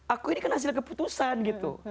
aku ini kan hasil keputusan gitu